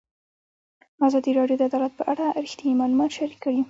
ازادي راډیو د عدالت په اړه رښتیني معلومات شریک کړي.